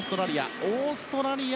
オーストラリア。